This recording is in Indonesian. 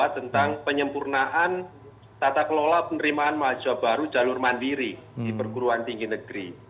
tentang penyempurnaan tata kelola penerimaan mahasiswa baru jalur mandiri di perguruan tinggi negeri